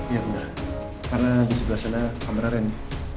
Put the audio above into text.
iya bener karena di sebelah sana kamar rendy